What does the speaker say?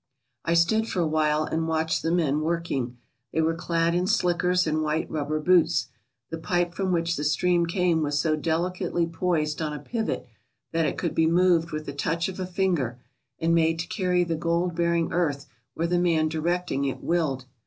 I stood for awhile and watched the men working. They were clad in slickers and white rubber boots. The pipe from which the stream came was so delicately poised on a pivot that it could be moved with the touch of a finger and made to carry the gold bearing earth where the man directing it willed.